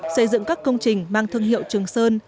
xây dựng các công trình mang thương hiệu trường sơn